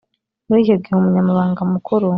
Muri icyo gihe umunyamabanga mukuru